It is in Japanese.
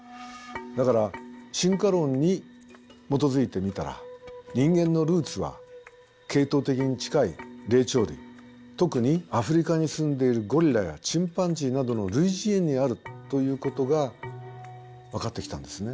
だから「進化論」に基づいてみたら人間のルーツは系統的に近い霊長類特にアフリカに住んでいるゴリラやチンパンジーなどの類人猿にあるということが分かってきたんですね。